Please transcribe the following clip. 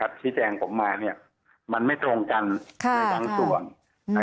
ที่แจ้งผมมามันไม่ตรงกันใบบางส่วน